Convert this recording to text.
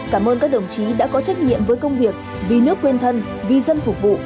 cảm ơn các đồng chí đã có trách nhiệm với công việc vì nước quên thân vì dân phục vụ